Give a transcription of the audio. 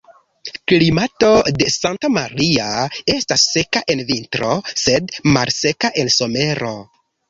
Klimato de Santa Maria estas seka en vintro, sed malseka en somero.